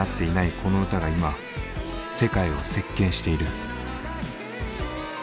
この歌が今世界を席巻している。